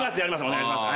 お願いします。